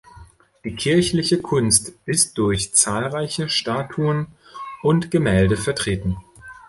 Die kirchliche Kunst ist durch zahlreiche Statuen und Gemälde vertreten.